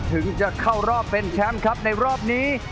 ถึงจะเข้ารอบเป็นแชมป์ครับในรอบนี้